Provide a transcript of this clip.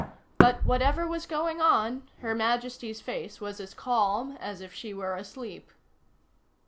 But whatever was going on, Her Majesty's face was as calm as if she were asleep.